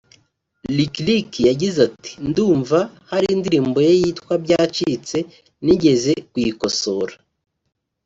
Lick Lick yagize ati “Ndumva hari indirimbo ye yitwa “Byacitse” nigeze kuyikosora